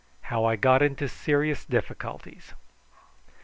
HOW I GOT INTO SERIOUS DIFFICULTIES.